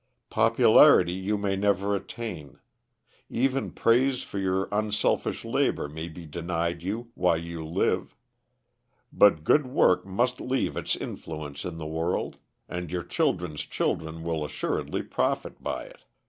Popularity you may never attain; even praise for your unselfish labor may be denied you while you live. But good work must leave its influence in the world; and your children's children will assuredly profit by it.